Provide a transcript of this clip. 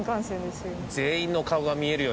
全員の顔が見えるように。